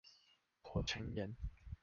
火成岩